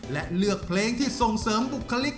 และเลือกเพลงที่ส่งเสริมบุคลิก